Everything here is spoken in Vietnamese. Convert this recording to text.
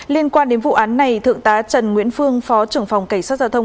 liên quan đến vụ án này thượng tá trần nguyễn phương phó trưởng phòng cảnh sát giao thông